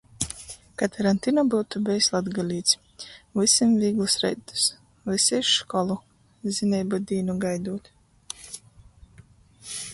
Ka Tarantino byutu bejs latgalīts... Vysim vīglus reitus! Vysi iz školu! Zineibu dīnu gaidūt...